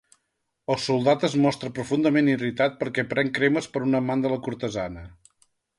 El soldat es mostra profundament irritat perquè pren Cremes per un amant de la cortesana.